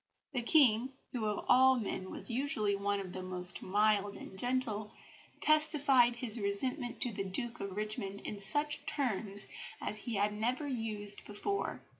The King, who of all men was usually one of the most mild and gentle, testified his resentment to the Duke of Richmond in such terms as he had never used before.